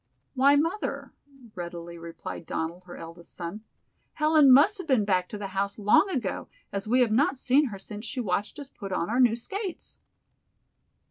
"Why, mother," readily replied Donald, her eldest son, "Helen must have been back to the house long ago, as we have not seen her since she watched us put on our new skates."